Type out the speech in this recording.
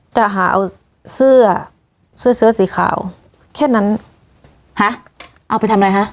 จะหาเอาเสื้อเสื้อเสื้อสีขาวแค่นั้นฮะเอาไปทำอะไรฮะ